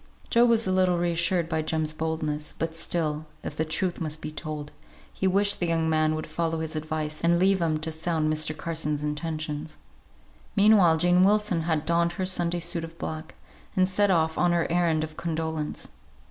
Job was a little reassured by Jem's boldness; but still, if the truth must be told, he wished the young man would follow his advice, and leave him to sound Mr. Carson's intentions. Meanwhile Jane Wilson had donned her Sunday suit of black, and set off on her errand of condolence.